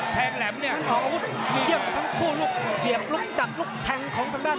แท้งแหลมเนี่ยทั้งคู่ลูกเสียบลูกจัดลูกแท้งของข้างด้าน